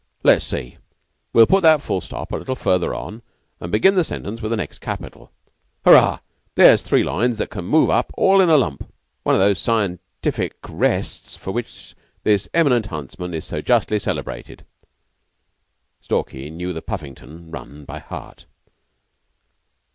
"Let's see! We'll put that full stop a little further on, and begin the sentence with the next capital. Hurrah! Here's three lines that can move up all in a lump." "'One of those scientific rests for which this eminent huntsman is so justly celebrated.'" Stalky knew the Puffington run by heart.